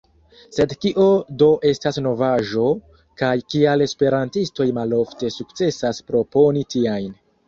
Sed kio do estas novaĵo, kaj kial esperantistoj malofte sukcesas proponi tiajn?